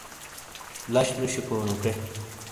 لش نوشیکو نوٹے۔